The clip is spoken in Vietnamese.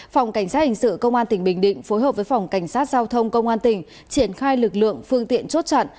phòng cảnh sát hình sự công an tỉnh bình định phối hợp với phòng cảnh sát giao thông công an tỉnh triển khai lực lượng phương tiện chốt chặn